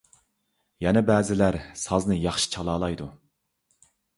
يەنە بەزىلەر سازنى ياخشى چالالايدۇ.